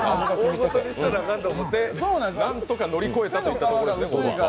何とか乗り越えたといったところですね。